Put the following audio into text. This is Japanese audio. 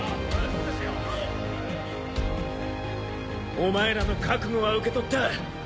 お前らの覚悟は受け取った。